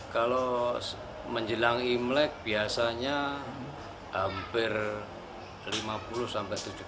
kalau menjelang imlek biasanya hampir lima puluh sampai tujuh puluh